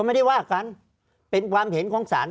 ภารกิจสรรค์ภารกิจสรรค์